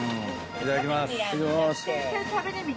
いただきます。